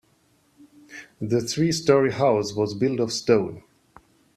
The three story house was built of stone.